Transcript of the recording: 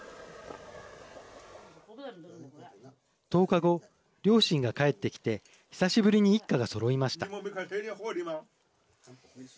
１０日後両親が帰ってきて久しぶりに一家がそろいました。